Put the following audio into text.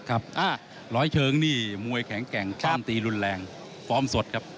อ่ะร้อยเชิงนี่มวยแข็งแก่งต้อมตีรุนแรงฟร้อมสดครับ